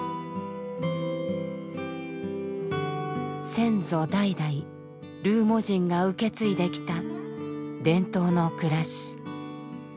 先祖代々ルーモ人が受け継いできた伝統の暮らし。